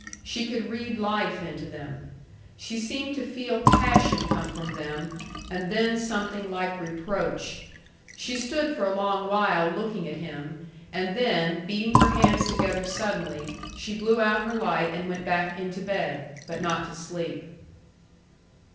She could read life into them. She seemed to feel passion come from them, and then something like reproach. She stood for a long while looking at him, and then, beating her hands together suddenly, she blew out her light and went back into bed, but not to sleep.